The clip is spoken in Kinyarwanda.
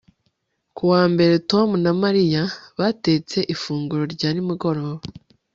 Ku wa mbere Tom na Mariya batetse ifunguro rya nimugoroba